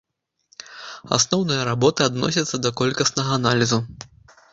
Асноўныя работы адносяцца да колькаснага аналізу.